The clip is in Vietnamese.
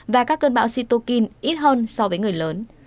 và các cơn bão situkin ít hơn so với người lớn